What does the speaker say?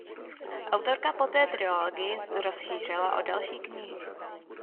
Autorka poté trilogii rozšířila o další knihy.